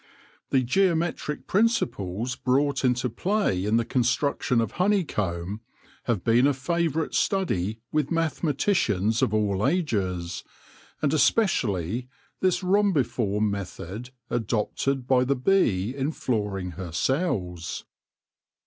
The geometric principles brought into play in the construction of honey comb have been a favourite study with mathematicians of all ages, and especially this rhombiform method adopted by the bee in floor ing her cells.